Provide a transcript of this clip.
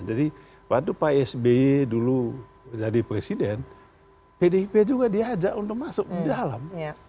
jadi waktu pak sby dulu jadi presiden pdip juga diajak untuk masuk ke dalam